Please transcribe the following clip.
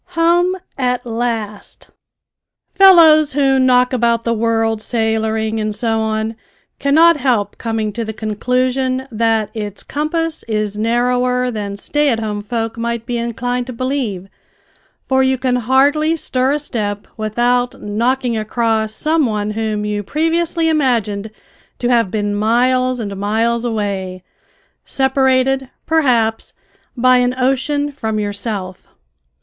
HOME AT LAST! Fellows who knock about the world sailoring and so on, cannot help coming to the conclusion that its compass is narrower than stay at home folk might be inclined to believe, for you can hardly stir a step without knocking across some one whom you previously imagined to have been miles and miles away, separated, perhaps, by an ocean from yourself.